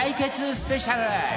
スペシャル